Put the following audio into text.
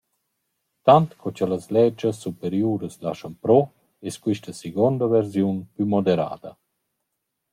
Tant co cha las ledschas superiuras laschan pro es quista seguonda versiun plü moderada.